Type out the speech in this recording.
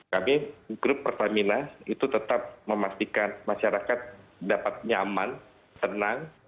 kami grup pertamina itu tetap memastikan masyarakat dapat nyaman tenang